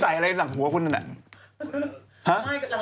ปล่อยอะไรทางหัวคุณนั่นแหละ